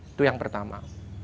itu yang pertama